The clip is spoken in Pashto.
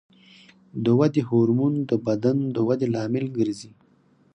د ودې هورمون د بدن د ودې لامل ګرځي.